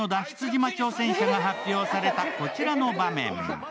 島挑戦者が発表されたこちらの場面。